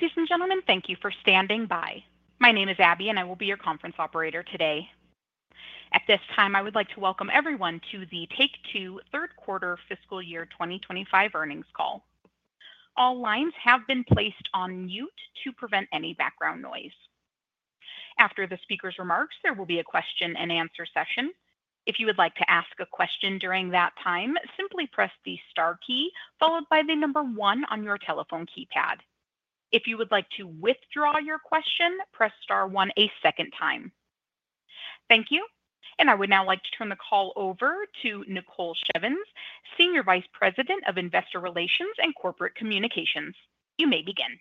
Ladies and gentlemen, thank you for standing by. My name is Abby, and I will be your conference operator today. At this time, I would like to welcome everyone to the Take-Two third-quarter fiscal year 2025 earnings call. All lines have been placed on mute to prevent any background noise. After the speaker's remarks, there will be a question-and-answer session. If you would like to ask a question during that time, simply press the star key followed by the number one on your telephone keypad. If you would like to withdraw your question, press star one a second time. Thank you. And I would now like to turn the call over to Nicole Shevins, Senior Vice President of Investor Relations and Corporate Communications. You may begin.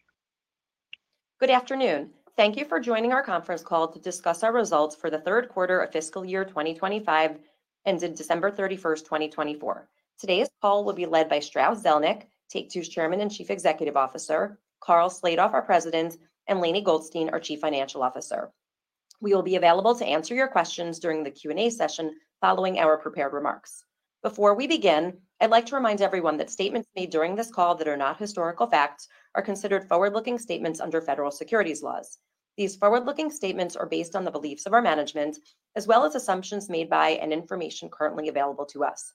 Good afternoon. Thank you for joining our conference call to discuss our results for the third quarter of fiscal year 2025 ended December 31st, 2024. Today's call will be led by Strauss Zelnick, Take-Two's Chairman and Chief Executive Officer, Karl Slatoff, our President, and Lainie Goldstein, our Chief Financial Officer. We will be available to answer your questions during the Q&A session following our prepared remarks. Before we begin, I'd like to remind everyone that statements made during this call that are not historical facts are considered forward-looking statements under federal securities laws. These forward-looking statements are based on the beliefs of our management as well as assumptions made by and information currently available to us.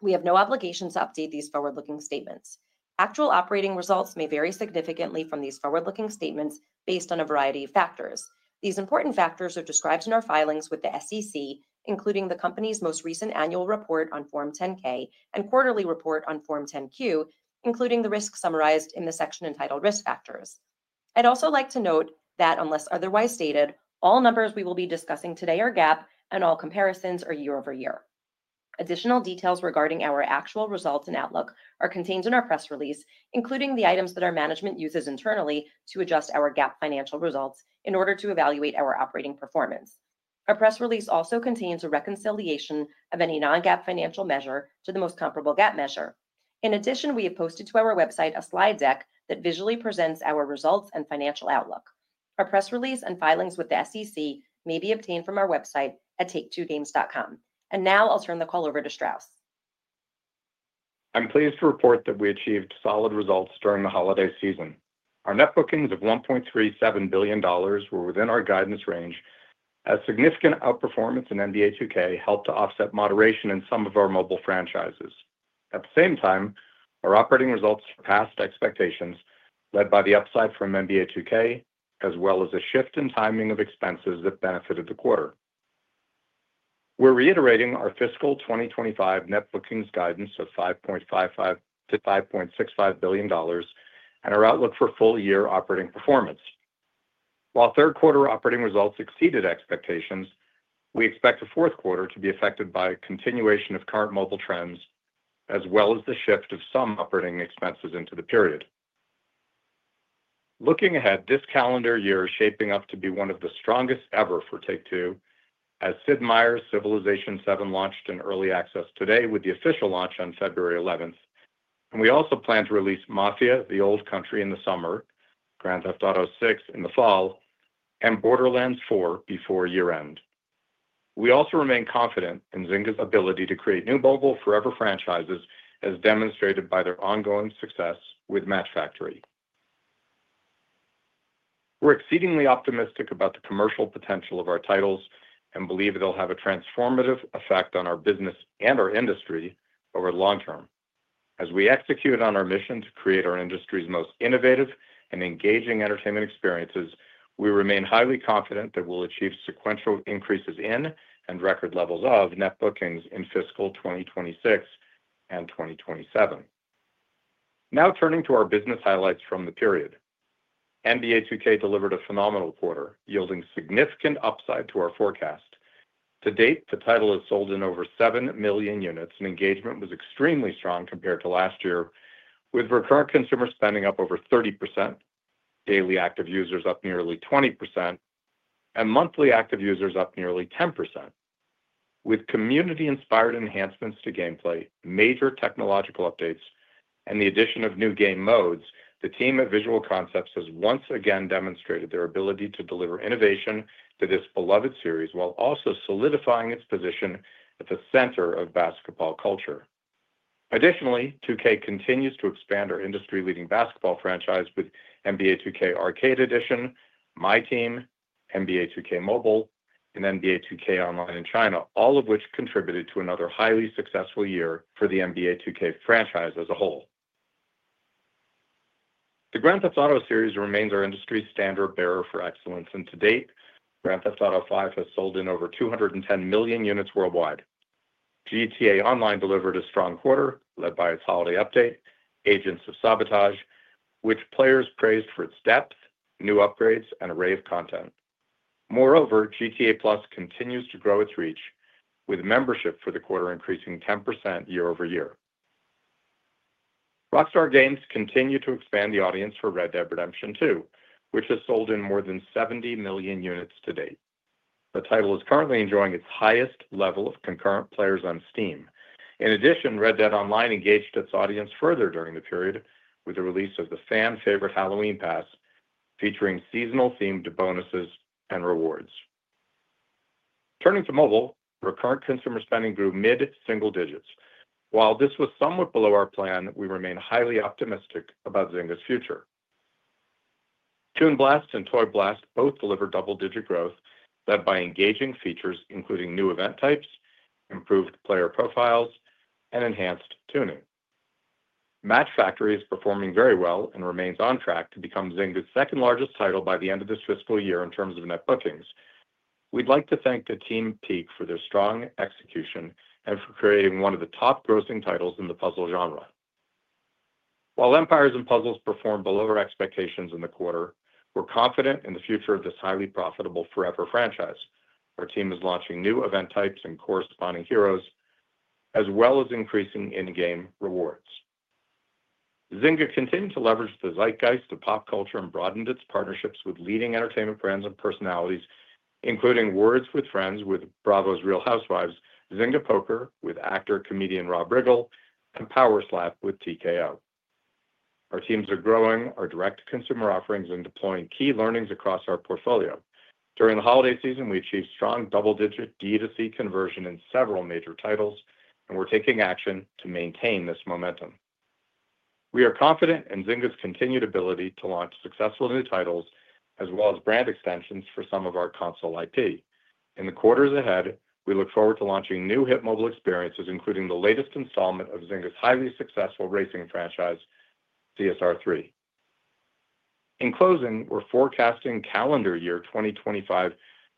We have no obligation to update these forward-looking statements. Actual operating results may vary significantly from these forward-looking statements based on a variety of factors. These important factors are described in our filings with the SEC, including the company's most recent annual report on Form 10-K and quarterly report on Form 10-Q, including the risk summarized in the section entitled Risk Factors. I'd also like to note that, unless otherwise stated, all numbers we will be discussing today are GAAP, and all comparisons are year-over-year. Additional details regarding our actual results and outlook are contained in our press release, including the items that our management uses internally to adjust our GAAP financial results in order to evaluate our operating performance. Our press release also contains a reconciliation of any non-GAAP financial measure to the most comparable GAAP measure. In addition, we have posted to our website a slide deck that visually presents our results and financial outlook. Our press release and filings with the SEC may be obtained from our website at take2games.com. Now I'll turn the call over to Strauss. I'm pleased to report that we achieved solid results during the holiday season. Our net bookings of $1.37 billion were within our guidance range, as significant outperformance in NBA 2K helped to offset moderation in some of our mobile franchises. At the same time, our operating results surpassed expectations, led by the upside from NBA 2K, as well as a shift in timing of expenses that benefited the quarter. We're reiterating our fiscal 2025 net bookings guidance of $5.55-$5.65 billion and our outlook for full-year operating performance. While third-quarter operating results exceeded expectations, we expect the fourth quarter to be affected by a continuation of current mobile trends as well as the shift of some operating expenses into the period. Looking ahead, this calendar year is shaping up to be one of the strongest ever for Take-Two, as Sid Meier's Civilization VII launched in early access today with the official launch on February 11th, and we also plan to release Mafia: The Old Country in the summer, Grand Theft Auto VI in the fall, and Borderlands 4 before year-end. We also remain confident in Zynga's ability to create new mobile forever franchises, as demonstrated by their ongoing success with Match Factory. We're exceedingly optimistic about the commercial potential of our titles and believe they'll have a transformative effect on our business and our industry over the long term. As we execute on our mission to create our industry's most innovative and engaging entertainment experiences, we remain highly confident that we'll achieve sequential increases in and record levels of net bookings in fiscal 2026 and 2027. Now turning to our business highlights from the period, NBA 2K delivered a phenomenal quarter, yielding significant upside to our forecast. To date, the title has sold in over 7 million units, and engagement was extremely strong compared to last year, with recurrent consumer spending up over 30%, daily active users up nearly 20%, and monthly active users up nearly 10%. With community-inspired enhancements to gameplay, major technological updates, and the addition of new game modes, the team at Visual Concepts has once again demonstrated their ability to deliver innovation to this beloved series while also solidifying its position at the center of basketball culture. Additionally, 2K continues to expand our industry-leading basketball franchise with NBA 2K Arcade Edition, MyTEAM, NBA 2K Mobile, and NBA 2K Online in China, all of which contributed to another highly successful year for the NBA 2K franchise as a whole. The Grand Theft Auto series remains our industry's standard bearer for excellence, and to date, Grand Theft Auto V has sold in over 210 million units worldwide. GTA Online delivered a strong quarter, led by its holiday update, Agents of Sabotage, which players praised for its depth, new upgrades, and array of content. Moreover, GTA+ continues to grow its reach, with membership for the quarter increasing 10% year-over-year. Rockstar Games continued to expand the audience for Red Dead Redemption 2, which has sold in more than 70 million units to date. The title is currently enjoying its highest level of concurrent players on Steam. In addition, Red Dead Online engaged its audience further during the period with the release of the fan-favorite Halloween Pass, featuring seasonal-themed bonuses and rewards. Turning to mobile, recurrent consumer spending grew mid-single digits. While this was somewhat below our plan, we remain highly optimistic about Zynga's future. Toon Blast and Toy Blast both delivered double-digit growth, led by engaging features, including new event types, improved player profiles, and enhanced tuning. Match Factory is performing very well and remains on track to become Zynga's second-largest title by the end of this fiscal year in terms of net bookings. We'd like to thank the team Peak for their strong execution and for creating one of the top-grossing titles in the puzzle genre. While Empires & Puzzles performed below our expectations in the quarter, we're confident in the future of this highly profitable forever franchise. Our team is launching new event types and corresponding heroes, as well as increasing in-game rewards. Zynga continued to leverage the zeitgeist of pop culture and broadened its partnerships with leading entertainment brands and personalities, including Words With Friends with Bravo's Real Housewives, Zynga Poker with actor-comedian Rob Riggle, and Power Slap with TKO. Our teams are growing our direct-to-consumer offerings and deploying key learnings across our portfolio. During the holiday season, we achieved strong double-digit D2C conversion in several major titles, and we're taking action to maintain this momentum. We are confident in Zynga's continued ability to launch successful new titles as well as brand extensions for some of our console IP. In the quarters ahead, we look forward to launching new hit mobile experiences, including the latest installment of Zynga's highly successful racing franchise, CSR3. In closing, we're forecasting calendar year 2025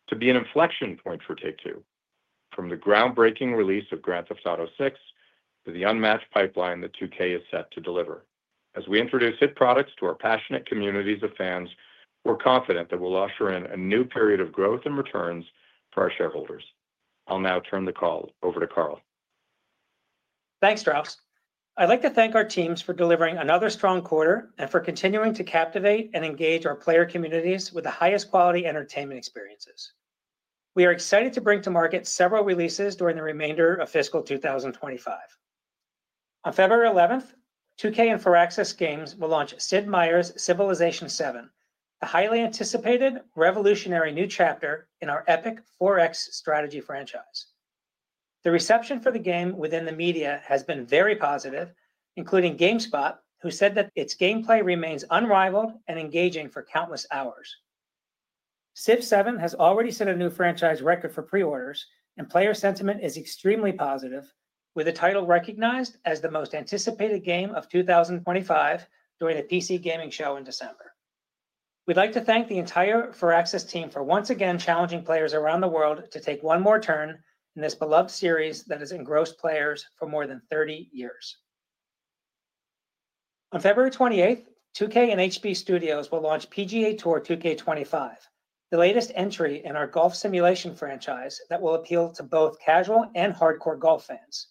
to be an inflection point for Take-Two. From the groundbreaking release of Grand Theft Auto VI to the unmatched pipeline that 2K is set to deliver. As we introduce hit products to our passionate communities of fans, we're confident that we'll usher in a new period of growth and returns for our shareholders. I'll now turn the call over to Karl. Thanks, Strauss. I'd like to thank our teams for delivering another strong quarter and for continuing to captivate and engage our player communities with the highest quality entertainment experiences. We are excited to bring to market several releases during the remainder of fiscal 2025. On February 11th, 2K and Firaxis Games will launch Sid Meier's Civilization VII, the highly anticipated, revolutionary new chapter in our epic 4X strategy franchise. The reception for the game within the media has been very positive, including GameSpot, who said that its gameplay remains unrivaled and engaging for countless hours. Civ VII has already set a new franchise record for pre-orders, and player sentiment is extremely positive, with the title recognized as the most anticipated game of 2025 during the PC Gaming Show in December. We'd like to thank the entire Firaxis team for once again challenging players around the world to take one more turn in this beloved series that has engrossed players for more than 30 years. On February 28th, 2K and HB Studios will launch PGA TOUR 2K25, the latest entry in our golf simulation franchise that will appeal to both casual and hardcore golf fans.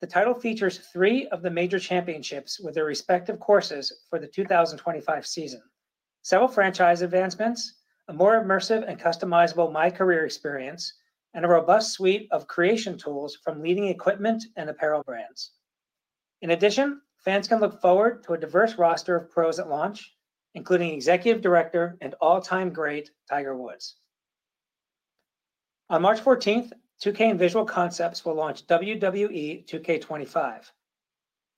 The title features three of the major championships with their respective courses for the 2025 season: several franchise advancements, a more immersive and customizable MyCAREER experience, and a robust suite of creation tools from leading equipment and apparel brands. In addition, fans can look forward to a diverse roster of pros at launch, including Executive Director and all-time great Tiger Woods. On March 14th, 2K and Visual Concepts will launch WWE 2K25.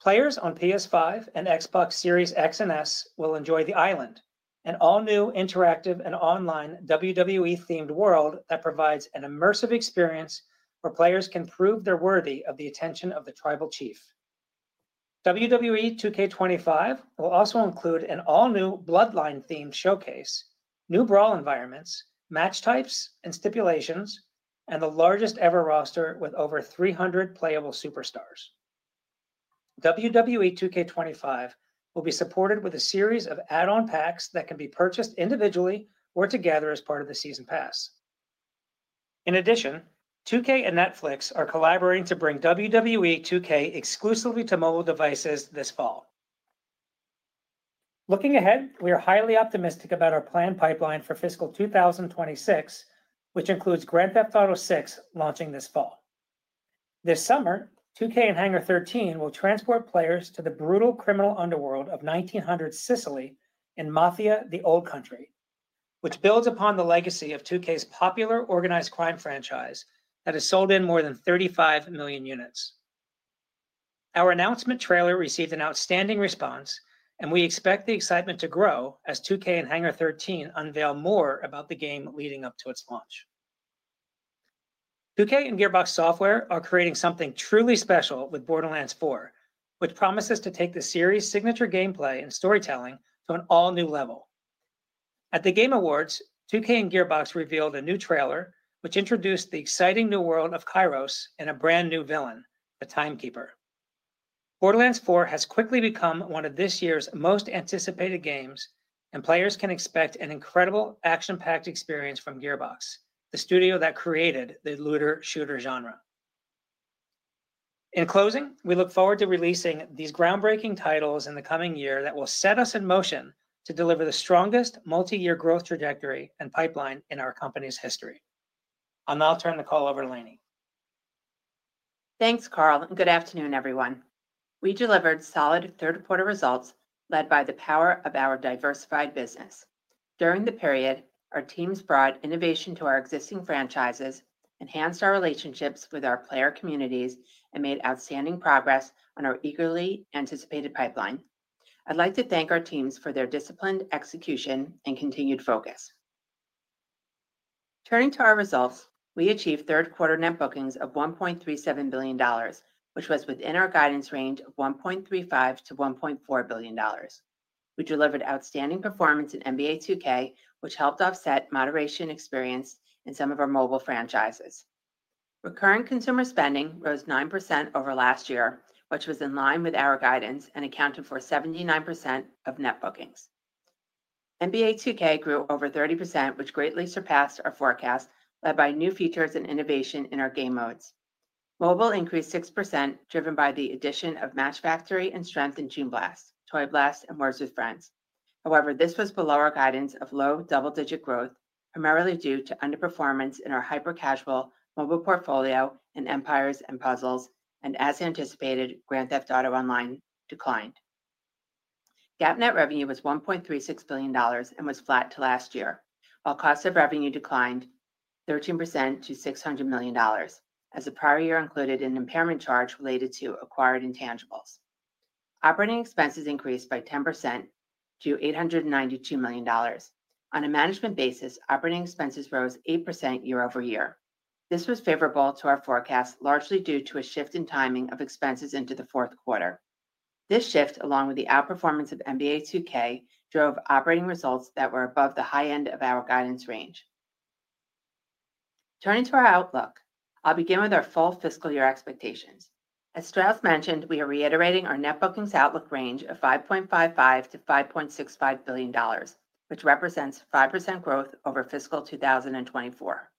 Players on PS5 and Xbox Series X and S will enjoy The Island, an all-new interactive and online WWE-themed world that provides an immersive experience where players can prove they're worthy of the attention of the Tribal Chief. WWE 2K25 will also include an all-new Bloodline-themed showcase, new Brawl environments, match types and stipulations, and the largest-ever roster with over 300 playable superstars. WWE 2K25 will be supported with a series of add-on packs that can be purchased individually or together as part of the season pass. In addition, 2K and Netflix are collaborating to bring WWE 2K exclusively to mobile devices this fall. Looking ahead, we are highly optimistic about our planned pipeline for fiscal 2026, which includes Grand Theft Auto VI launching this fall. This summer, 2K and Hangar 13 will transport players to the brutal criminal underworld of 1900s Sicily in Mafia: The Old Country, which builds upon the legacy of 2K's popular organized crime franchise that has sold in more than 35 million units. Our announcement trailer received an outstanding response, and we expect the excitement to grow as 2K and Hangar 13 unveil more about the game leading up to its launch. 2K and Gearbox Software are creating something truly special with Borderlands 4, which promises to take the series' signature gameplay and storytelling to an all-new level. At The Game Awards, 2K and Gearbox revealed a new trailer, which introduced the exciting new world of Kairos and a brand new villain, the Timekeeper. Borderlands 4 has quickly become one of this year's most anticipated games, and players can expect an incredible action-packed experience from Gearbox, the studio that created the looter-shooter genre. In closing, we look forward to releasing these groundbreaking titles in the coming year that will set us in motion to deliver the strongest multi-year growth trajectory and pipeline in our company's history. I'll now turn the call over to Lainie. Thanks, Karl, and good afternoon, everyone. We delivered solid third-quarter results led by the power of our diversified business. During the period, our teams brought innovation to our existing franchises, enhanced our relationships with our player communities, and made outstanding progress on our eagerly anticipated pipeline. I'd like to thank our teams for their disciplined execution and continued focus. Turning to our results, we achieved third-quarter net bookings of $1.37 billion, which was within our guidance range of $1.35 billion-$1.4 billion. We delivered outstanding performance in NBA 2K, which helped offset moderated engagement in some of our mobile franchises. Recurring consumer spending rose 9% over last year, which was in line with our guidance and accounted for 79% of net bookings. NBA 2K grew over 30%, which greatly surpassed our forecast, led by new features and innovation in our game modes. Mobile increased 6%, driven by the addition of Match Factory and strengthened Toon Blast, Toy Blast, and Words With Friends. However, this was below our guidance of low double-digit growth, primarily due to underperformance in our hyper-casual mobile portfolio in Empires & Puzzles, and as anticipated, Grand Theft Auto Online declined. GAAP net revenue was $1.36 billion and was flat to last year, while cost of revenue declined 13% to $600 million, as the prior year included an impairment charge related to acquired intangibles. Operating expenses increased by 10% to $892 million. On a management basis, operating expenses rose 8% year-over-year. This was favorable to our forecast, largely due to a shift in timing of expenses into the fourth quarter. This shift, along with the outperformance of NBA 2K, drove operating results that were above the high end of our guidance range. Turning to our outlook, I'll begin with our full fiscal year expectations. As Strauss mentioned, we are reiterating our net bookings outlook range of $5.55 billion-$5.65 billion, which represents 5% growth over fiscal 2024.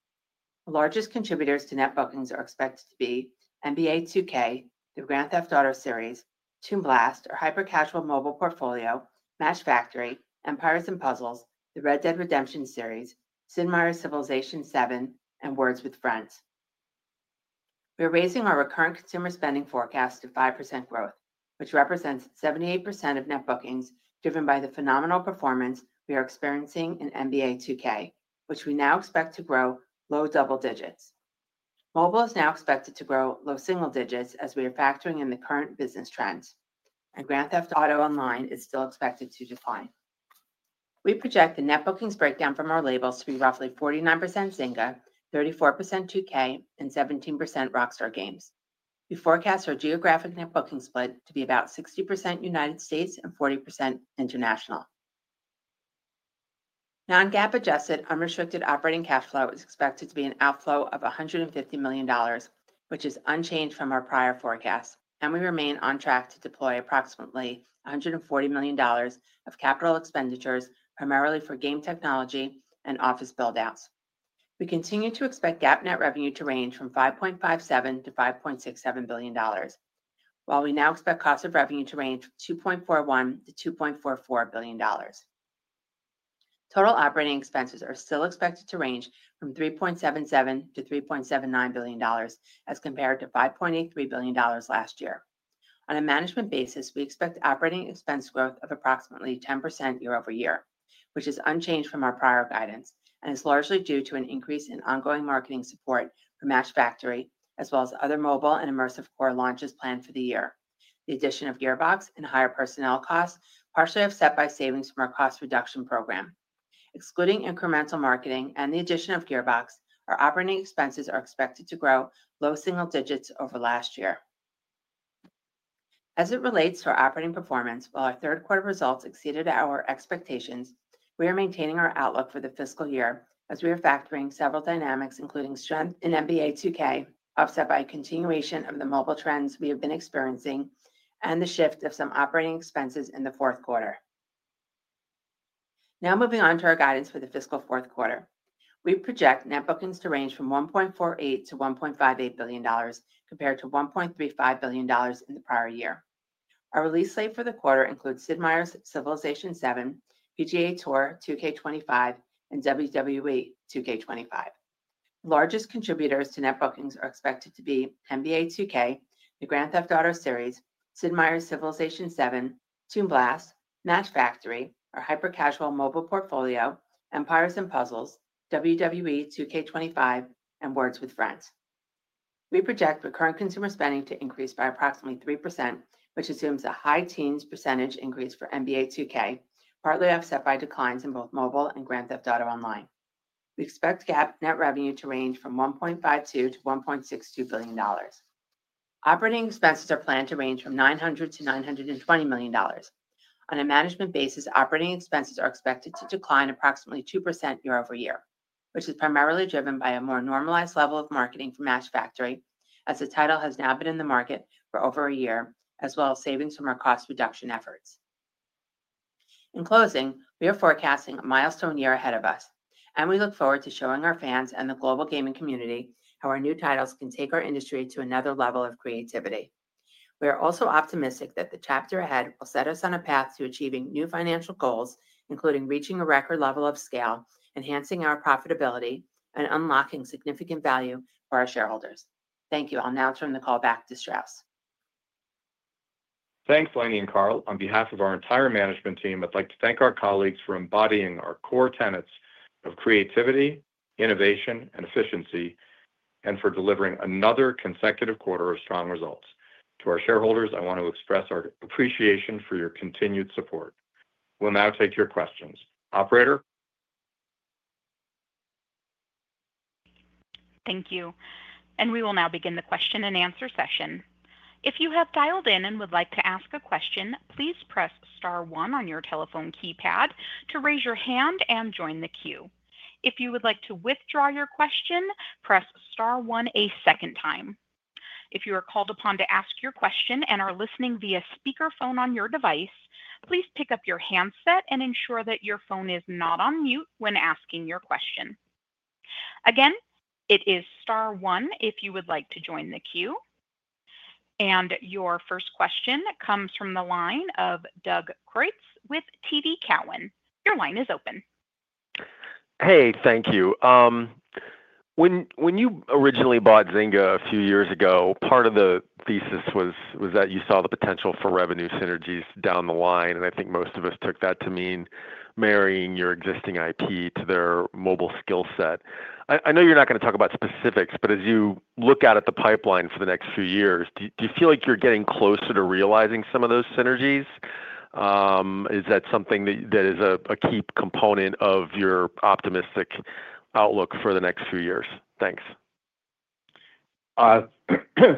The largest contributors to net bookings are expected to be NBA 2K, the Grand Theft Auto series, Toon Blast, our hyper-casual mobile portfolio, Match Factory, Empires & Puzzles, the Red Dead Redemption series, Sid Meier's Civilization VII, and Words With Friends. We're raising our recurrent consumer spending forecast to 5% growth, which represents 78% of net bookings driven by the phenomenal performance we are experiencing in NBA 2K, which we now expect to grow low double digits. Mobile is now expected to grow low single digits as we are factoring in the current business trends, and Grand Theft Auto Online is still expected to decline. We project the net bookings breakdown from our labels to be roughly 49% Zynga, 34% 2K, and 17% Rockstar Games. We forecast our geographic net booking split to be about 60% United States and 40% international. Non-GAAP adjusted, unrestricted operating cash flow is expected to be an outflow of $150 million, which is unchanged from our prior forecast, and we remain on track to deploy approximately $140 million of capital expenditures, primarily for game technology and office buildouts. We continue to expect GAAP net revenue to range from $5.57 billion-$5.67 billion, while we now expect cost of revenue to range from $2.41 billion-$2.44 billion. Total operating expenses are still expected to range from $3.77 billion-$3.79 billion, as compared to $5.83 billion last year. On a management basis, we expect operating expense growth of approximately 10% year-over-year, which is unchanged from our prior guidance, and is largely due to an increase in ongoing marketing support for Match Factory, as well as other mobile and immersive core launches planned for the year. The addition of Gearbox and higher personnel costs partially offset by savings from our cost reduction program. Excluding incremental marketing and the addition of Gearbox, our operating expenses are expected to grow low single digits over last year. As it relates to our operating performance, while our third-quarter results exceeded our expectations, we are maintaining our outlook for the fiscal year as we are factoring several dynamics, including strength in NBA 2K offset by continuation of the mobile trends we have been experiencing and the shift of some operating expenses in the fourth quarter. Now moving on to our guidance for the fiscal fourth quarter, we project net bookings to range from $1.48 billion-$1.58 billion, compared to $1.35 billion in the prior year. Our release slate for the quarter includes Sid Meier's Civilization VII, PGA TOUR 2K25, and WWE 2K25. The largest contributors to net bookings are expected to be NBA 2K, the Grand Theft Auto series, Sid Meier's Civilization VII, Toon Blast, Match Factory, our hyper-casual mobile portfolio, Empires & Puzzles, WWE 2K25, and Words With Friends. We project Recurrent Consumer Spending to increase by approximately 3%, which assumes a high teens percentage increase for NBA 2K, partly offset by declines in both mobile and Grand Theft Auto Online. We expect GAAP net revenue to range from $1.52 billion-$1.62 billion. Operating expenses are planned to range from $900 million-$920 million. On a management basis, operating expenses are expected to decline approximately 2% year-over-year, which is primarily driven by a more normalized level of marketing for Match Factory, as the title has now been in the market for over a year, as well as savings from our cost reduction efforts. In closing, we are forecasting a milestone year ahead of us, and we look forward to showing our fans and the global gaming community how our new titles can take our industry to another level of creativity. We are also optimistic that the chapter ahead will set us on a path to achieving new financial goals, including reaching a record level of scale, enhancing our profitability, and unlocking significant value for our shareholders. Thank you. I'll now turn the call back to Strauss. Thanks, Lainie and Karl. On behalf of our entire management team, I'd like to thank our colleagues for embodying our core tenets of creativity, innovation, and efficiency, and for delivering another consecutive quarter of strong results. To our shareholders, I want to express our appreciation for your continued support. We'll now take your questions. Operator? Thank you. We will now begin the question-and-answer session. If you have dialed in and would like to ask a question, please press star one on your telephone keypad to raise your hand and join the queue. If you would like to withdraw your question, press star one a second time. If you are called upon to ask your question and are listening via speakerphone on your device, please pick up your handset and ensure that your phone is not on mute when asking your question. Again, it is star one if you would like to join the queue. Your first question comes from the line of Doug Creutz with TD Cowen. Your line is open. Hey, thank you. When you originally bought Zynga a few years ago, part of the thesis was that you saw the potential for revenue synergies down the line, and I think most of us took that to mean marrying your existing IP to their mobile skill set. I know you're not going to talk about specifics, but as you look at the pipeline for the next few years, do you feel like you're getting closer to realizing some of those synergies? Is that something that is a key component of your optimistic outlook for the next few years? Thanks.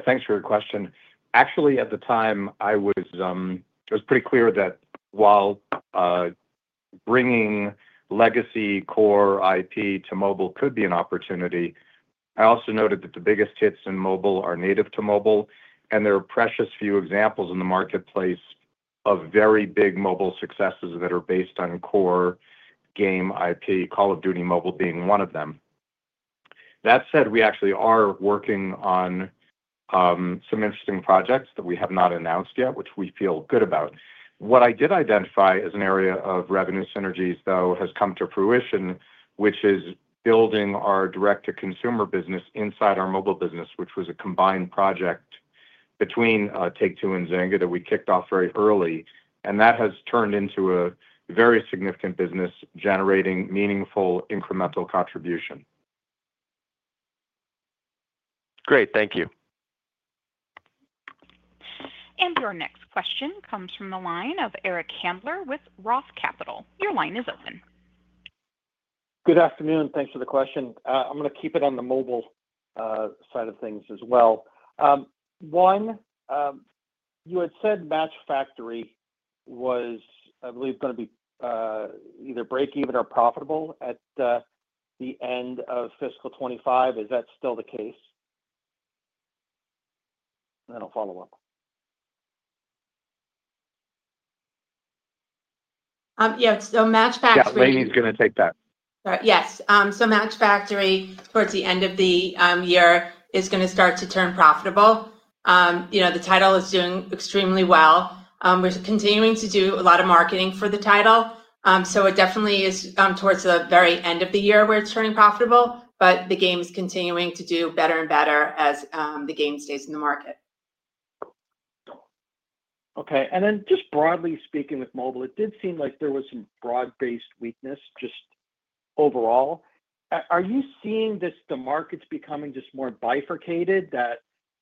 Thanks for your question. Actually, at the time, it was pretty clear that while bringing legacy core IP to mobile could be an opportunity, I also noted that the biggest hits in mobile are native to mobile, and there are precious few examples in the marketplace of very big mobile successes that are based on core game IP, Call of Duty mobile being one of them. That said, we actually are working on some interesting projects that we have not announced yet, which we feel good about. What I did identify as an area of revenue synergies, though, has come to fruition, which is building our direct-to-consumer business inside our mobile business, which was a combined project between Take-Two and Zynga that we kicked off very early, and that has turned into a very significant business generating meaningful incremental contribution. Great. Thank you. Your next question comes from the line of Eric Handler with Roth Capital. Your line is open. Good afternoon. Thanks for the question. I'm going to keep it on the mobile side of things as well. One, you had said Match Factory was, I believe, going to be either break-even or profitable at the end of fiscal 2025. Is that still the case? And then I'll follow up. Yeah, so Match Factory. Yeah. Lainie's going to take that. Yes. So Match Factory, towards the end of the year, is going to start to turn profitable. The title is doing extremely well. We're continuing to do a lot of marketing for the title. So it definitely is towards the very end of the year where it's turning profitable, but the game is continuing to do better and better as the game stays in the market. Okay. And then just broadly speaking with mobile, it did seem like there was some broad-based weakness just overall. Are you seeing the markets becoming just more bifurcated, that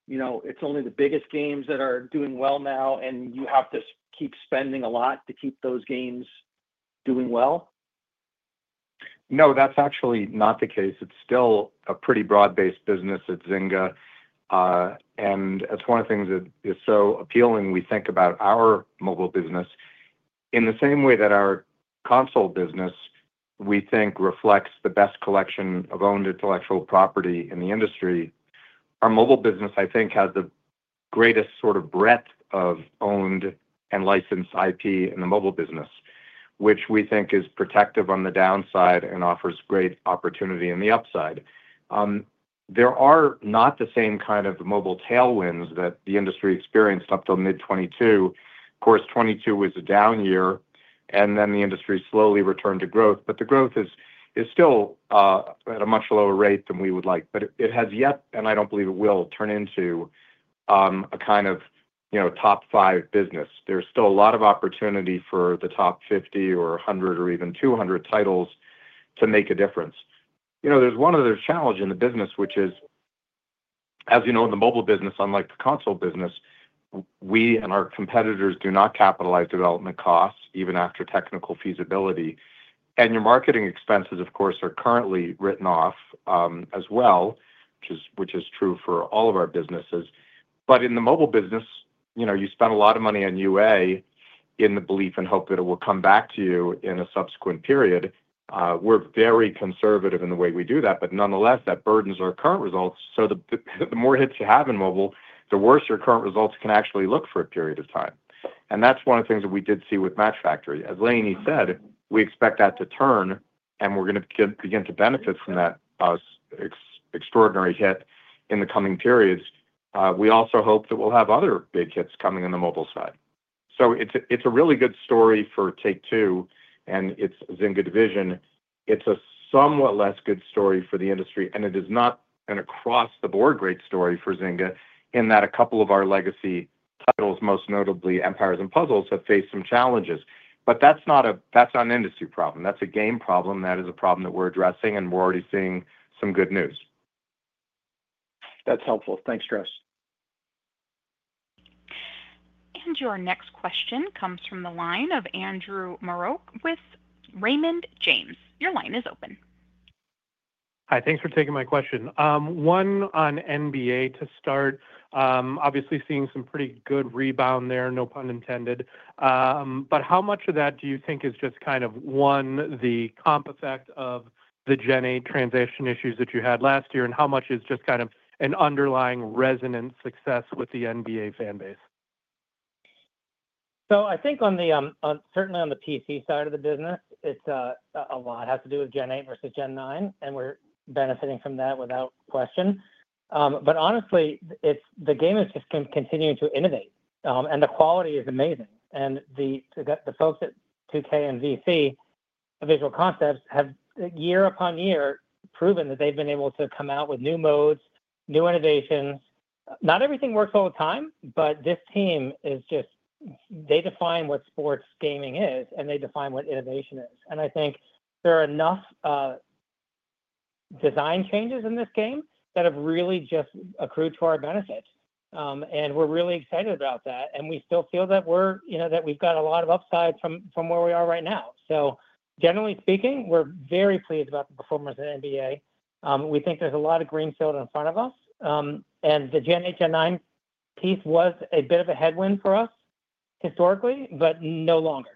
it's only the biggest games that are doing well now, and you have to keep spending a lot to keep those games doing well? No, that's actually not the case. It's still a pretty broad-based business at Zynga, and that's one of the things that is so appealing we think about our mobile business. In the same way that our console business, we think, reflects the best collection of owned intellectual property in the industry, our mobile business, I think, has the greatest sort of breadth of owned and licensed IP in the mobile business, which we think is protective on the downside and offers great opportunity on the upside. There are not the same kind of mobile tailwinds that the industry experienced up till mid-2022. Of course, 2022 was a down year, and then the industry slowly returned to growth, but the growth is still at a much lower rate than we would like, but it has yet, and I don't believe it will, turn into a kind of top five business. There's still a lot of opportunity for the top 50 or 100 or even 200 titles to make a difference. There's one other challenge in the business, which is, as you know, in the mobile business, unlike the console business, we and our competitors do not capitalize development costs even after technical feasibility, and your marketing expenses, of course, are currently written off as well, which is true for all of our businesses, but in the mobile business, you spend a lot of money on UA in the belief and hope that it will come back to you in a subsequent period. We're very conservative in the way we do that, but nonetheless, that burdens our current results, so the more hits you have in mobile, the worse your current results can actually look for a period of time. And that's one of the things that we did see with Match Factory. As Lainie said, we expect that to turn, and we're going to begin to benefit from that extraordinary hit in the coming periods. We also hope that we'll have other big hits coming on the mobile side. So it's a really good story for Take-Two, and it's Zynga Division. It's a somewhat less good story for the industry, and it is not an across-the-board great story for Zynga in that a couple of our legacy titles, most notably Empires & Puzzles, have faced some challenges. But that's not an industry problem. That's a game problem. That is a problem that we're addressing, and we're already seeing some good news. That's helpful. Thanks, Strauss. Your next question comes from the line of Andrew Marok with Raymond James. Your line is open. Hi. Thanks for taking my question. One on NBA to start, obviously seeing some pretty good rebound there, no pun intended. But how much of that do you think is just kind of, one, the comp effect of the Gen 8 transition issues that you had last year, and how much is just kind of an underlying resonant success with the NBA fan base? So I think certainly on the PC side of the business, a lot has to do with Gen 8 versus Gen 9, and we're benefiting from that without question. But honestly, the game is just continuing to innovate, and the quality is amazing. And the folks at 2K and VC, Visual Concepts, have year upon year proven that they've been able to come out with new modes, new innovations. Not everything works all the time, but this team is just they define what sports gaming is, and they define what innovation is. And I think there are enough design changes in this game that have really just accrued to our benefit. And we're really excited about that. And we still feel that we've got a lot of upside from where we are right now. So generally speaking, we're very pleased about the performance of NBA. We think there's a lot of greenfield in front of us. The Gen 8, Gen 9 piece was a bit of a headwind for us historically, but no longer.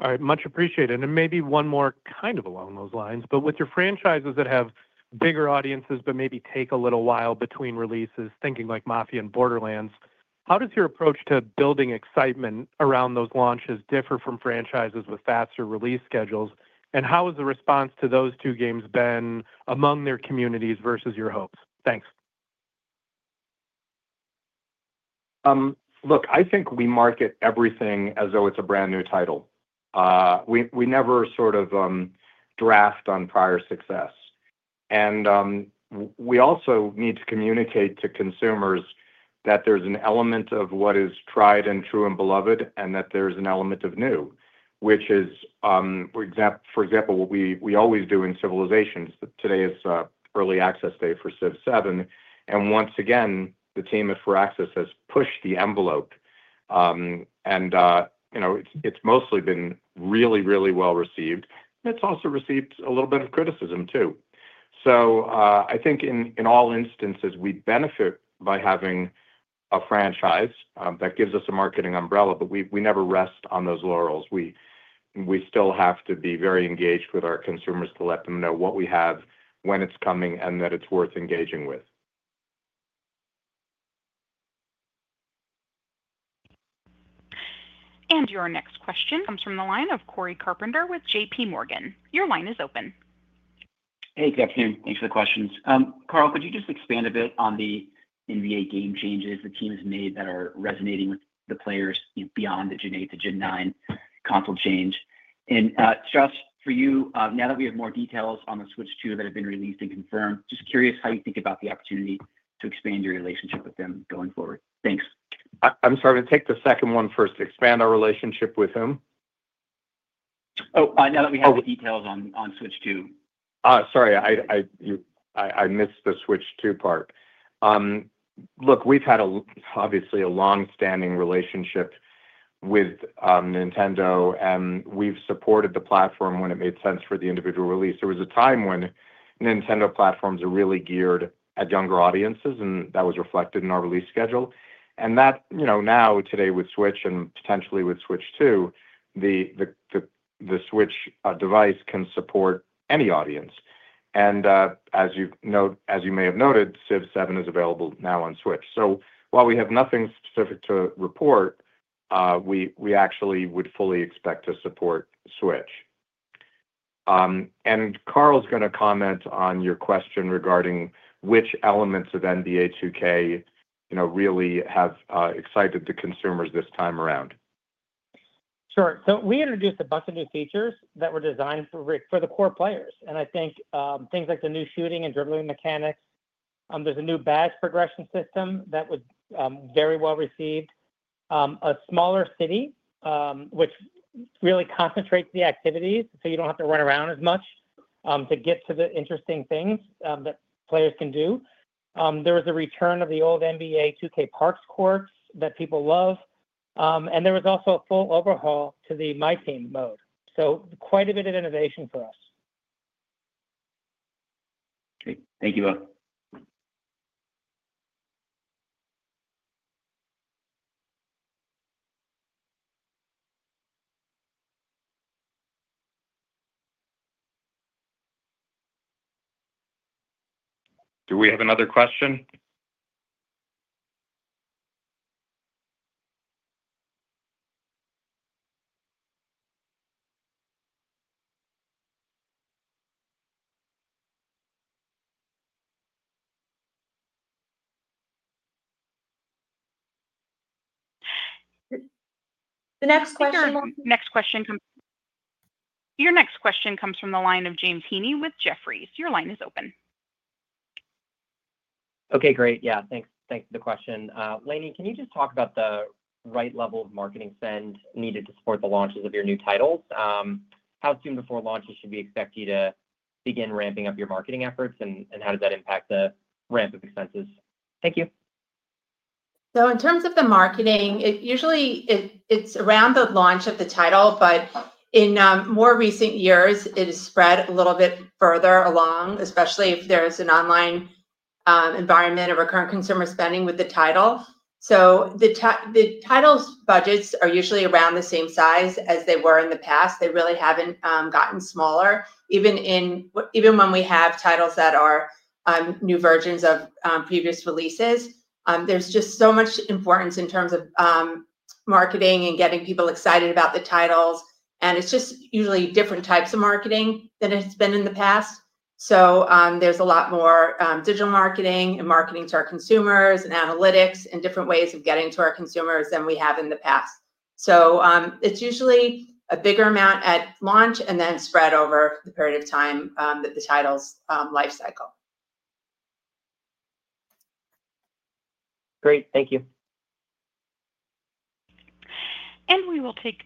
All right. Much appreciated. And maybe one more kind of along those lines. But with your franchises that have bigger audiences, but maybe take a little while between releases, thinking like Mafia and Borderlands, how does your approach to building excitement around those launches differ from franchises with faster release schedules? And how has the response to those two games been among their communities versus your hopes? Thanks. Look, I think we market everything as though it's a brand new title. We never sort of draft on prior success, and we also need to communicate to consumers that there's an element of what is tried and true and beloved, and that there's an element of new, which is, for example, what we always do in Civilization. Today is Early Access Day for Civ 7, and once again, the team at Firaxis has pushed the envelope, and it's mostly been really, really well received, and it's also received a little bit of criticism, too, so I think in all instances, we benefit by having a franchise that gives us a marketing umbrella, but we never rest on those laurels. We still have to be very engaged with our consumers to let them know what we have, when it's coming, and that it's worth engaging with. Your next question comes from the line of Cory Carpenter with JPMorgan. Your line is open. Hey, good afternoon. Thanks for the questions. Karl, could you just expand a bit on the NBA game changes the team has made that are resonating with the players beyond the Gen 8 to Gen 9 console change? And Strauss, for you, now that we have more details on the Switch 2 that have been released and confirmed, just curious how you think about the opportunity to expand your relationship with them going forward. Thanks. I'm sorry. Take the second one first. Expand our relationship with whom? Oh, now that we have the details on Switch 2. Sorry. I missed the Switch 2 part. Look, we've had obviously a long-standing relationship with Nintendo, and we've supported the platform when it made sense for the individual release. There was a time when Nintendo platforms are really geared at younger audiences, and that was reflected in our release schedule, and now, today with Switch and potentially with Switch 2, the Switch device can support any audience, and as you may have noted, Civ 7 is available now on Switch, so while we have nothing specific to report, we actually would fully expect to support Switch, and Karl's going to comment on your question regarding which elements of NBA 2K really have excited the consumers this time around. Sure. So we introduced a bunch of new features that were designed for the core players. And I think things like the new shooting and dribbling mechanics. There's a new badge progression system that was very well received. A smaller city, which really concentrates the activities, so you don't have to run around as much to get to the interesting things that players can do. There was a return of the old NBA 2K parks courts that people love. And there was also a full overhaul to the MyTEAM mode. So quite a bit of innovation for us. Great. Thank you both. Do we have another question? The next question. Your next question comes from the line of James Heaney with Jefferies. Your line is open. Okay. Great. Yeah. Thanks for the question. Lainie, can you just talk about the right level of marketing spend needed to support the launches of your new titles? How soon before launch should we expect you to begin ramping up your marketing efforts, and how does that impact the ramp of expenses? Thank you. So in terms of the marketing, usually it's around the launch of the title, but in more recent years, it has spread a little bit further along, especially if there's an online environment of recurrent consumer spending with the title. So the title's budgets are usually around the same size as they were in the past. They really haven't gotten smaller. Even when we have titles that are new versions of previous releases, there's just so much importance in terms of marketing and getting people excited about the titles. And it's just usually different types of marketing than it's been in the past. So there's a lot more digital marketing and marketing to our consumers and analytics and different ways of getting to our consumers than we have in the past. So it's usually a bigger amount at launch and then spread over the period of time, the title's lifecycle. Great. Thank you. We will take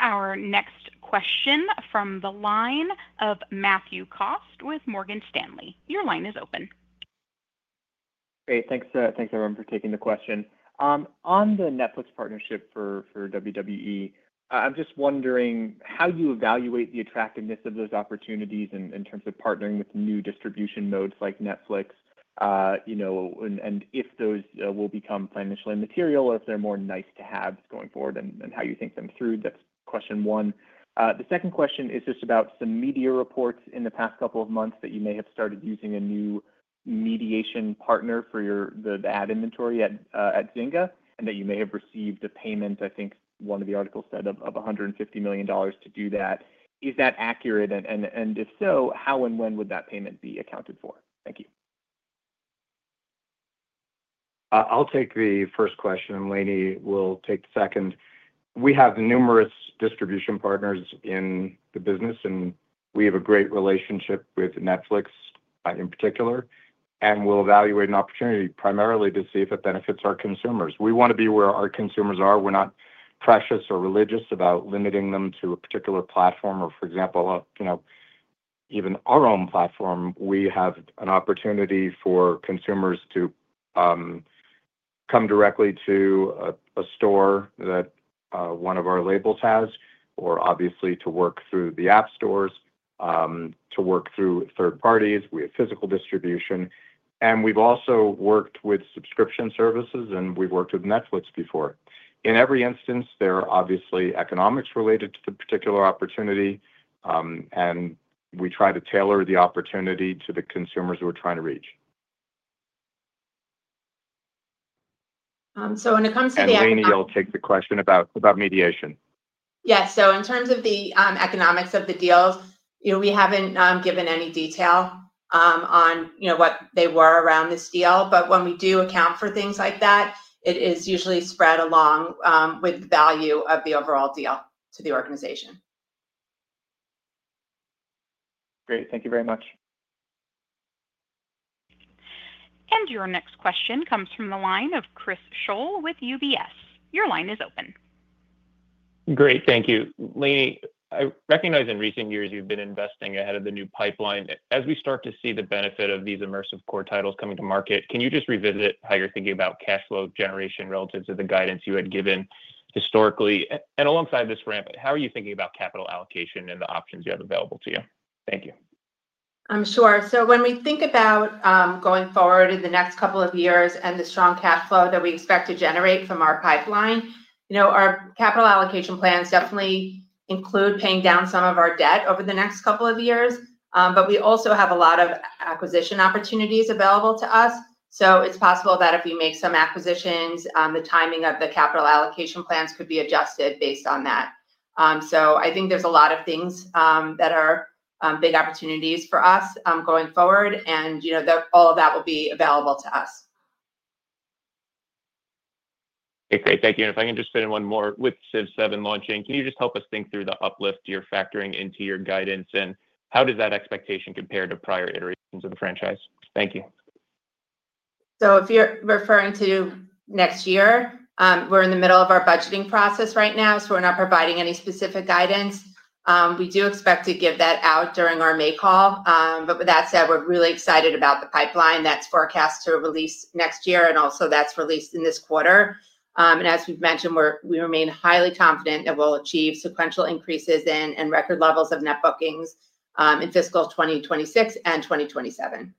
our next question from the line of Matthew Cost with Morgan Stanley. Your line is open. Great. Thanks, everyone, for taking the question. On the Netflix partnership for WWE, I'm just wondering how you evaluate the attractiveness of those opportunities in terms of partnering with new distribution modes like Netflix, and if those will become financially material or if they're more nice-to-haves going forward and how you think them through. That's question one. The second question is just about some media reports in the past couple of months that you may have started using a new mediation partner for the ad inventory at Zynga and that you may have received a payment, I think one of the articles said, of $150 million to do that. Is that accurate? And if so, how and when would that payment be accounted for? Thank you. I'll take the first question, and Lainie will take the second. We have numerous distribution partners in the business, and we have a great relationship with Netflix in particular, and we'll evaluate an opportunity primarily to see if it benefits our consumers. We want to be where our consumers are. We're not precious or religious about limiting them to a particular platform. Or, for example, even our own platform, we have an opportunity for consumers to come directly to a store that one of our labels has, or obviously to work through the app stores, to work through third parties. We have physical distribution. And we've also worked with subscription services, and we've worked with Netflix before. In every instance, there are obviously economics related to the particular opportunity, and we try to tailor the opportunity to the consumers we're trying to reach. So when it comes to the— Lainie, you'll take the question about mediation. Yes. So in terms of the economics of the deals, we haven't given any detail on what they were around this deal. But when we do account for things like that, it is usually spread along with the value of the overall deal to the organization. Great. Thank you very much. Your next question comes from the line of Chris Schoell with UBS. Your line is open. Great. Thank you. Lainie, I recognize in recent years you've been investing ahead of the new pipeline. As we start to see the benefit of these immersive core titles coming to market, can you just revisit how you're thinking about cash flow generation relative to the guidance you had given historically? And alongside this ramp, how are you thinking about capital allocation and the options you have available to you? Thank you. I'm sure. So when we think about going forward in the next couple of years and the strong cash flow that we expect to generate from our pipeline, our capital allocation plans definitely include paying down some of our debt over the next couple of years. But we also have a lot of acquisition opportunities available to us. So it's possible that if we make some acquisitions, the timing of the capital allocation plans could be adjusted based on that. So I think there's a lot of things that are big opportunities for us going forward, and all of that will be available to us. Okay. Thank you, and if I can just fit in one more. With Civ 7 launching, can you just help us think through the uplift you're factoring into your guidance, and how does that expectation compare to prior iterations of the franchise? Thank you. So if you're referring to next year, we're in the middle of our budgeting process right now, so we're not providing any specific guidance. We do expect to give that out during our May call. But with that said, we're really excited about the pipeline that's forecast to release next year, and also that's released in this quarter. And as we've mentioned, we remain highly confident that we'll achieve sequential increases in and record levels of net bookings in fiscal 2026 and 2027.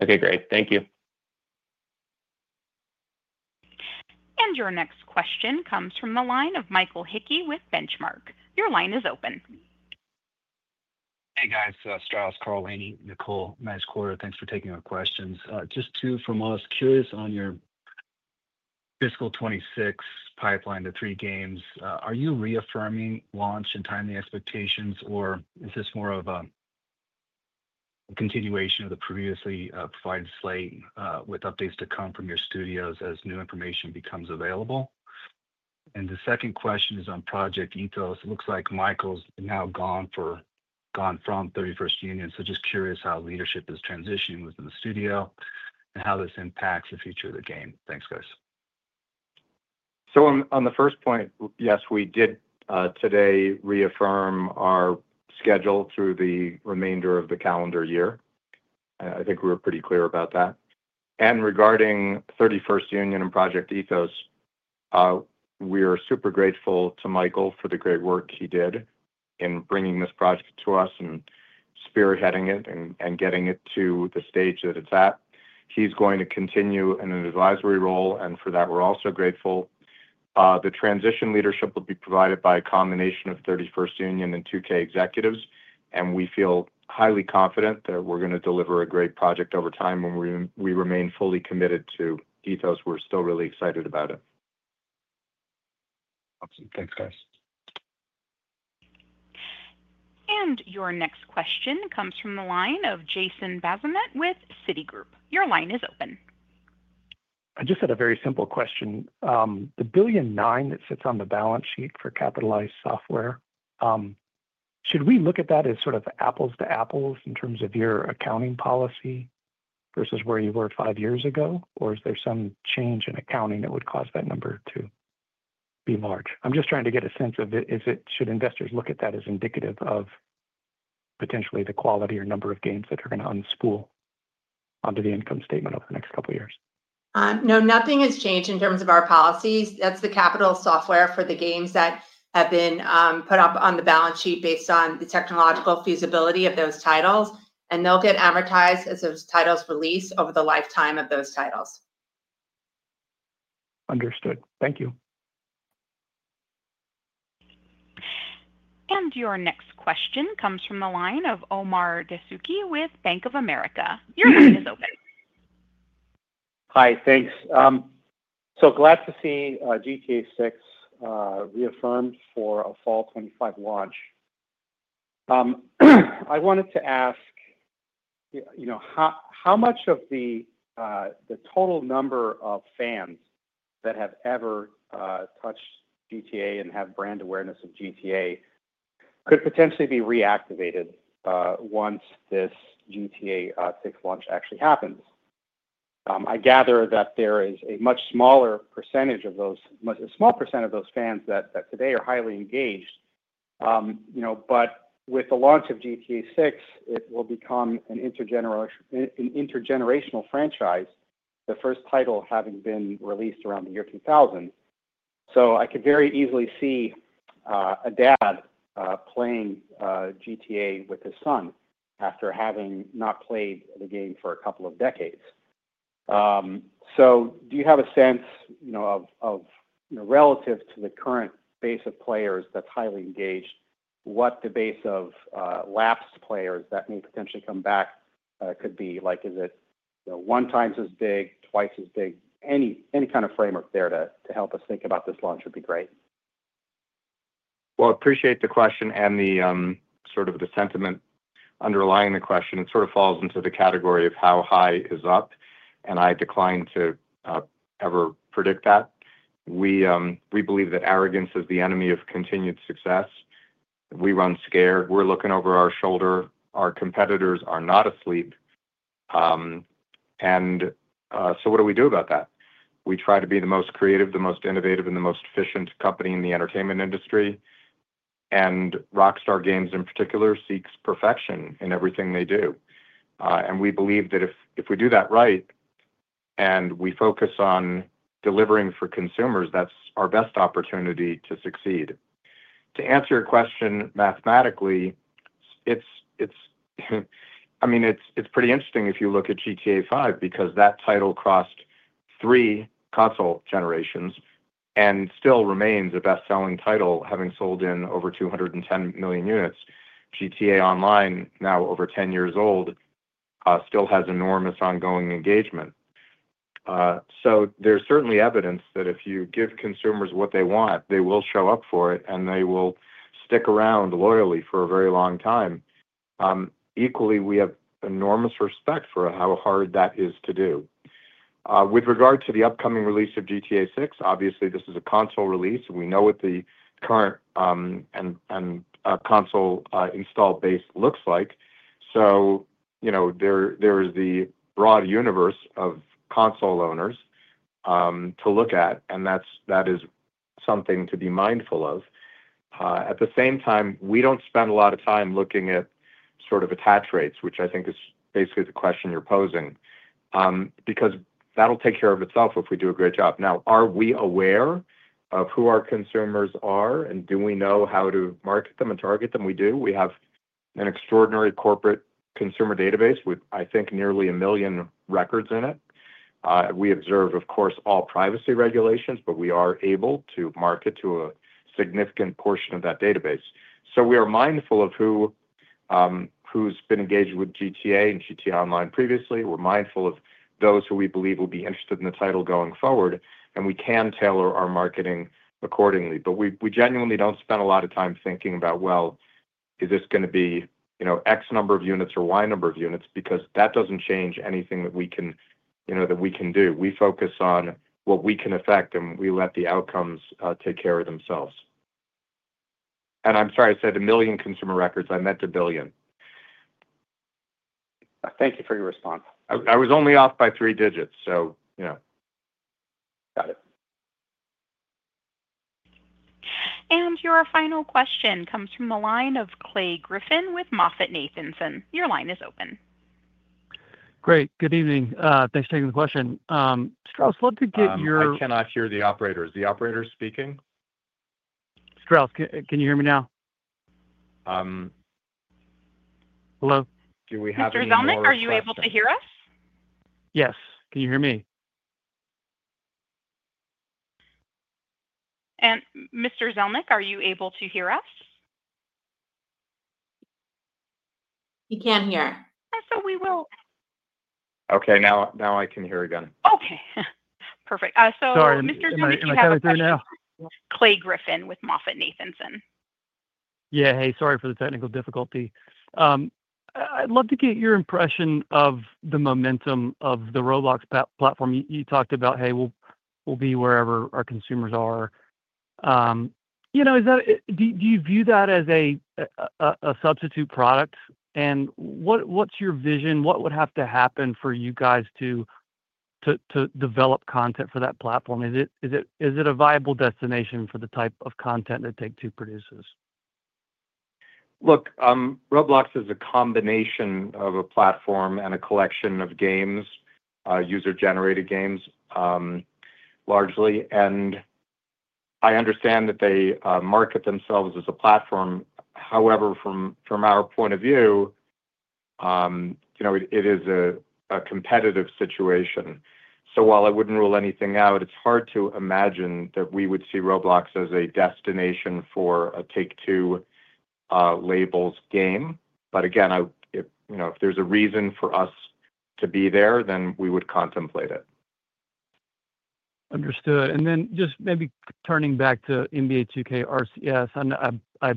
Okay. Great. Thank you. Your next question comes from the line of Michael Hickey with The Benchmark Company. Your line is open. Hey, guys. Strauss, Karl, Lainie, Nicole. Thanks for taking our questions this quarter. Just two from us. Curious on your fiscal 2026 pipeline, the three games. Are you reaffirming launch and timing expectations, or is this more of a continuation of the previously provided slate with updates to come from your studios as new information becomes available? And the second question is on Project ETHOS. It looks like Michael's now gone from 31st Union, so just curious how leadership is transitioning within the studio and how this impacts the future of the game. Thanks, guys. So on the first point, yes, we did today reaffirm our schedule through the remainder of the calendar year. I think we were pretty clear about that. And regarding 31st Union and Project ETHOS, we are super grateful to Michael for the great work he did in bringing this project to us and spearheading it and getting it to the stage that it's at. He's going to continue in an advisory role, and for that, we're also grateful. The transition leadership will be provided by a combination of 31st Union and 2K executives, and we feel highly confident that we're going to deliver a great project over time when we remain fully committed to ETHOS. We're still really excited about it. Awesome. Thanks, guys. Your next question comes from the line of Jason Bazinet with Citigroup. Your line is open. I just had a very simple question. The $1.9 billion that sits on the balance sheet for capitalized software, should we look at that as sort of apples to apples in terms of your accounting policy versus where you were five years ago, or is there some change in accounting that would cause that number to be large? I'm just trying to get a sense of it. Should investors look at that as indicative of potentially the quality or number of games that are going to unspool onto the income statement over the next couple of years? No, nothing has changed in terms of our policies. That's the capitalized software for the games that have been put up on the balance sheet based on the technological feasibility of those titles, and they'll get amortized as those titles release over the lifetime of those titles. Understood. Thank you. Your next question comes from the line of Omar Dessouky with Bank of America. Your line is open. Hi. Thanks. So glad to see GTA VI reaffirmed for a Fall 2025 launch. I wanted to ask, how much of the total number of fans that have ever touched GTA and have brand awareness of GTA could potentially be reactivated once this GTA VI launch actually happens? I gather that there is a much smaller percentage of those, a small percent of those fans, that today are highly engaged. But with the launch of GTA VI, it will become an intergenerational franchise, the first title having been released around the year 2000. So I could very easily see a dad playing GTA with his son after having not played the game for a couple of decades. So do you have a sense of, relative to the current base of players that's highly engaged, what the base of lapsed players that may potentially come back could be? Is it one time as big, twice as big? Any kind of framework there to help us think about this launch would be great. Well, I appreciate the question and sort of the sentiment underlying the question. It sort of falls into the category of how high is up, and I decline to ever predict that. We believe that arrogance is the enemy of continued success. We run scared. We're looking over our shoulder. Our competitors are not asleep. And so what do we do about that? We try to be the most creative, the most innovative, and the most efficient company in the entertainment industry. And Rockstar Games in particular seeks perfection in everything they do. And we believe that if we do that right and we focus on delivering for consumers, that's our best opportunity to succeed. To answer your question mathematically, I mean, it's pretty interesting if you look at GTA V because that title crossed three console generations and still remains a best-selling title, having sold in over 210 million units. GTA Online, now over 10 years old, still has enormous ongoing engagement. So there's certainly evidence that if you give consumers what they want, they will show up for it, and they will stick around loyally for a very long time. Equally, we have enormous respect for how hard that is to do. With regard to the upcoming release of GTA VI, obviously, this is a console release. We know what the current console install base looks like. So there is the broad universe of console owners to look at, and that is something to be mindful of. At the same time, we don't spend a lot of time looking at sort of attach rates, which I think is basically the question you're posing, because that'll take care of itself if we do a great job. Now, are we aware of who our consumers are, and do we know how to market them and target them? We do. We have an extraordinary corporate consumer database with, I think, nearly a million records in it. We observe, of course, all privacy regulations, but we are able to market to a significant portion of that database. So we are mindful of who's been engaged with GTA and GTA Online previously. We're mindful of those who we believe will be interested in the title going forward, and we can tailor our marketing accordingly. But we genuinely don't spend a lot of time thinking about, "Well, is this going to be X number of units or Y number of units?" because that doesn't change anything that we can do. We focus on what we can affect, and we let the outcomes take care of themselves. And I'm sorry, I said a million consumer records. I meant a billion. Thank you for your response. I was only off by three digits, so. Got it. And your final question comes from the line of Clay Griffin with MoffettNathanson. Your line is open. Great. Good evening. Thanks for taking the question. Strauss, let me get your— I cannot hear the operator. Is the operator speaking? Strauss, can you hear me now? Hello? Do we have you here? Mr. Zelnick, are you able to hear us? Yes. Can you hear me? Mr. Zelnick, are you able to hear us? He can't hear. So we will— Okay. Now I can hear again. Okay. Perfect. So— Sorry. Am I cutting through now? Clay Griffin with MoffettNathanson. Yeah. Hey, sorry for the technical difficulty. I'd love to get your impression of the momentum of the Roblox platform. You talked about, "Hey, we'll be wherever our consumers are." Do you view that as a substitute product? And what's your vision? What would have to happen for you guys to develop content for that platform? Is it a viable destination for the type of content that Take-Two produces? Look, Roblox is a combination of a platform and a collection of games, user-generated games largely, and I understand that they market themselves as a platform. However, from our point of view, it is a competitive situation, so while I wouldn't rule anything out, it's hard to imagine that we would see Roblox as a destination for a Take-Two labels game, but again, if there's a reason for us to be there, then we would contemplate it. Understood. And then just maybe turning back to NBA 2K RCS, I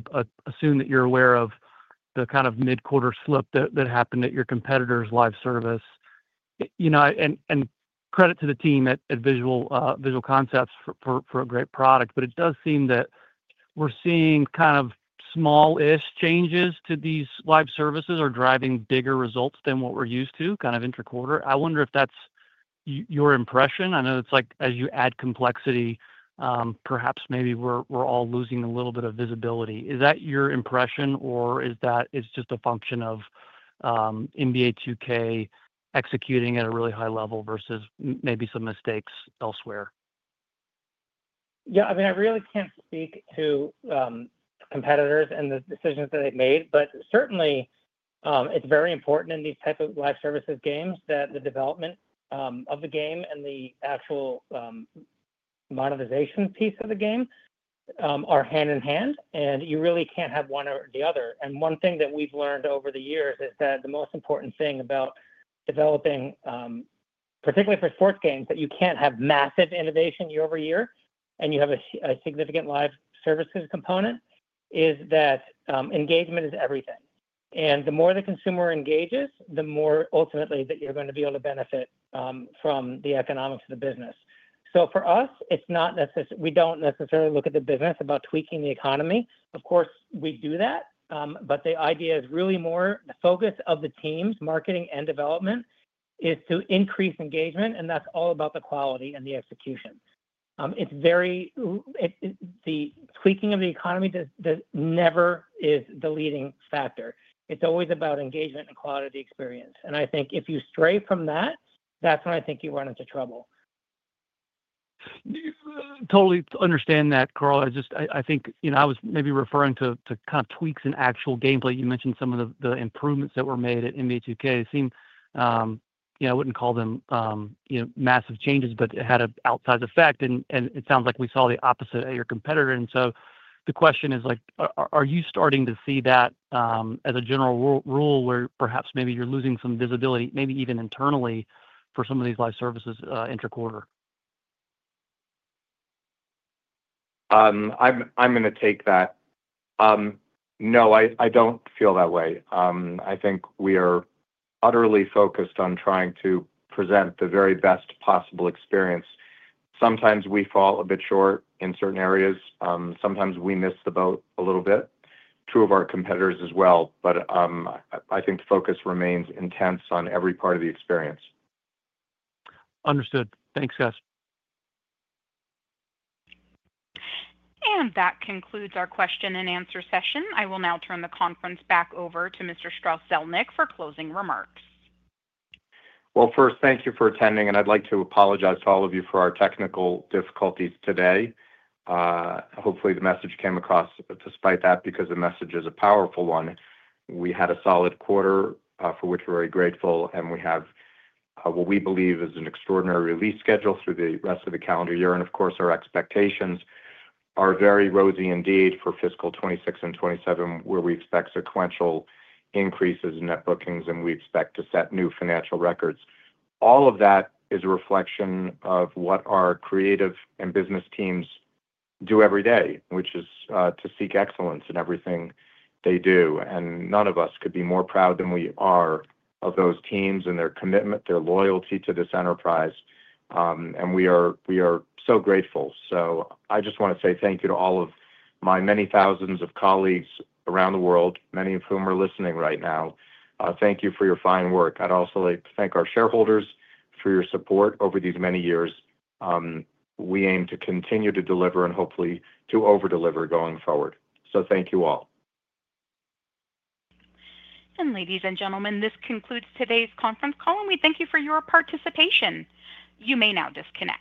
assume that you're aware of the kind of mid-quarter slip that happened at your competitor's live service. And credit to the team at Visual Concepts for a great product, but it does seem that we're seeing kind of small-ish changes to these live services, are driving bigger results than what we're used to kind of interquarter. I wonder if that's your impression. I know it's like as you add complexity, perhaps maybe we're all losing a little bit of visibility. Is that your impression, or is that just a function of NBA 2K executing at a really high level versus maybe some mistakes elsewhere? Yeah. I mean, I really can't speak to competitors and the decisions that they've made, but certainly, it's very important in these types of live services games that the development of the game and the actual monetization piece of the game are hand in hand, and you really can't have one or the other, and one thing that we've learned over the years is that the most important thing about developing, particularly for sports games, that you can't have massive innovation year-over-year and you have a significant live services component, is that engagement is everything, and the more the consumer engages, the more ultimately that you're going to be able to benefit from the economics of the business, so for us, we don't necessarily look at the business about tweaking the economy. Of course, we do that, but the idea is really more the focus of the team's marketing and development is to increase engagement, and that's all about the quality and the execution. The tweaking of the economy never is the leading factor. It's always about engagement and quality of the experience, and I think if you stray from that, that's when I think you run into trouble. Totally understand that, Karl. I think I was maybe referring to kind of tweaks in actual gameplay. You mentioned some of the improvements that were made at NBA 2K. It seemed I wouldn't call them massive changes, but it had an outsized effect, and it sounds like we saw the opposite at your competitor. And so the question is, are you starting to see that as a general rule where perhaps maybe you're losing some visibility, maybe even internally for some of these live services interquarter? I'm going to take that. No, I don't feel that way. I think we are utterly focused on trying to present the very best possible experience. Sometimes we fall a bit short in certain areas. Sometimes we miss the boat a little bit. True of our competitors as well, but I think the focus remains intense on every part of the experience. Understood. Thanks, guys. That concludes our question and answer session. I will now turn the conference back over to Mr. Strauss Zelnick for closing remarks. First, thank you for attending, and I'd like to apologize to all of you for our technical difficulties today. Hopefully, the message came across despite that because the message is a powerful one. We had a solid quarter for which we're very grateful, and we have what we believe is an extraordinary release schedule through the rest of the calendar year. Of course, our expectations are very rosy indeed for fiscal 2026 and 2027, where we expect sequential increases in net bookings, and we expect to set new financial records. All of that is a reflection of what our creative and business teams do every day, which is to seek excellence in everything they do. None of us could be more proud than we are of those teams and their commitment, their loyalty to this enterprise. We are so grateful. So I just want to say thank you to all of my many thousands of colleagues around the world, many of whom are listening right now. Thank you for your fine work. I'd also like to thank our shareholders for your support over these many years. We aim to continue to deliver and hopefully to overdeliver going forward. So thank you all. Ladies and gentlemen, this concludes today's conference call, and we thank you for your participation. You may now disconnect.